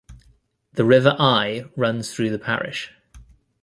The River Eye runs through the parish.